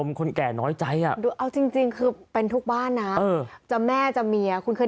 มีคนใจดีก็ตัดสินใจนั่งรถจากหมอชิตจะไปขอนแก่น